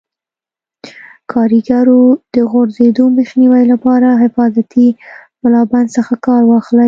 د کاریګرو د غورځېدو مخنیوي لپاره حفاظتي ملابند څخه کار واخلئ.